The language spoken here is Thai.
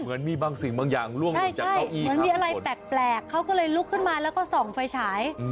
เหมือนมีบางสิ่งบางอย่างล่วงลงจากเก้าอี้เหมือนมีอะไรแปลกเขาก็เลยลุกขึ้นมาแล้วก็ส่องไฟฉาย